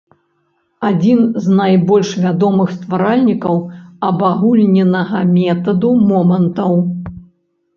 Адзін з найбольш вядомых стваральнікаў абагульненага метаду момантаў.